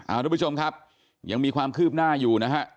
ทุกผู้ชมครับยังมีความคืบหน้าอยู่นะฮะ